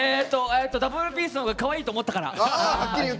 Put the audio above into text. ダブルピースのほうがかわいいと思ったｋら。